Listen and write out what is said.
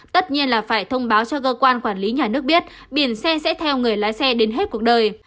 tất nhiên là phải thông báo cho cơ quan quản lý nhà nước biết biển xe sẽ theo người lái xe đến hết cuộc đời